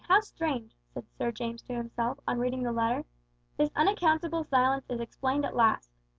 how strange!" said Sir James to himself, on reading the letter. "This unaccountable silence is explained at last.